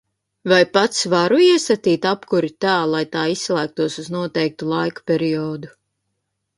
Vai pats varu iestatīt apkuri tā, lai tā izslēgtos uz noteiktu laika periodu?